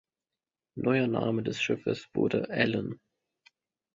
Neuer Name des Schiffes wurde "Ellen".